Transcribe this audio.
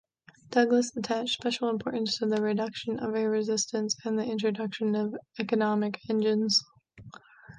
Douglas attached special importance to the reduction of air resistance and the introduction of economic engines.